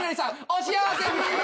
お幸せに！